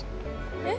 えっ？